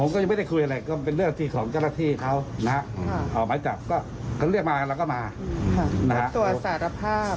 ตัวสารภาพ